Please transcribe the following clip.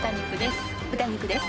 豚肉です。